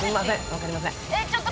分かりません。